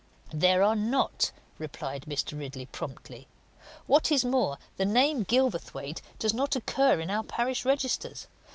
"There are not," replied Mr. Ridley promptly. "What is more, the name Gilverthwaite does not occur in our parish registers.